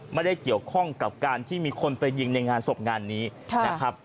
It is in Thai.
ไม่ได้เกี่ยวข้องกับการที่มีคนไปยิงในงานศพงานนี้นะครับ